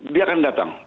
dia akan datang